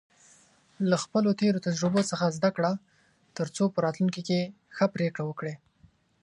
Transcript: له خپلو تېرو تجربو څخه زده کړه، ترڅو په راتلونکي کې ښه پریکړې وکړې.